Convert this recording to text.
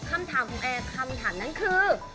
คำถามของแอร์คำถามนั้นคือ